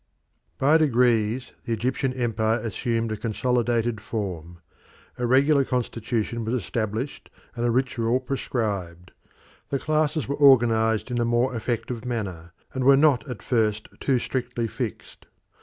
By degrees the Egyptian empire assumed a consolidated form. A regular constitution was established and a ritual prescribed. The classes were organised in a more effective manner, and were not at first too strictly fixed.